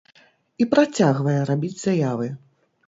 І працягвае рабіць заявы.